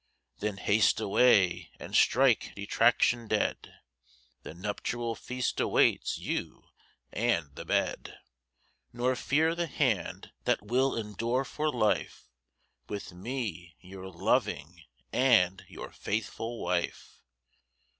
Then haste away, and strike detraction dead; The nuptial feast awaits you, and the bed; Nor fear the hand that will endure for life, With me, your loving and your faithful wife.